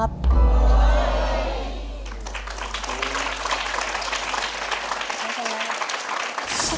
หลบหลบหลบหลบหลบหลบหลบ